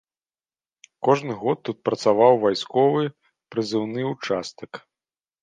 Кожны год тут працаваў вайсковы прызыўны ўчастак.